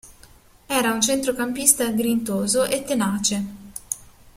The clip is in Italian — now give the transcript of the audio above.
Era un centrocampista grintoso e tenace.